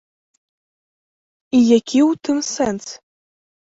І які ў тым сэнс?